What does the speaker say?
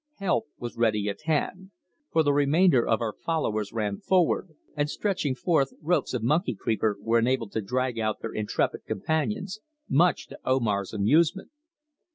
Help was ready at hand, for the remainder of our followers ran forward, and stretching forth ropes of monkey creeper were enabled to drag out their intrepid companions, much to Omar's amusement.